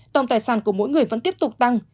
tổng tài sản của mỗi người vẫn tiếp tục tăng